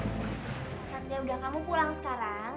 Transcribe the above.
satria udah kamu pulang sekarang